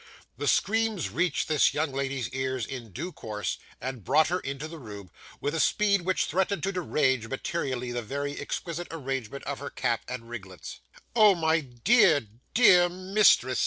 The screams reached this young lady's ears in due course, and brought her into the room with a speed which threatened to derange, materially, the very exquisite arrangement of her cap and ringlets. 'Oh, my dear, dear mistress!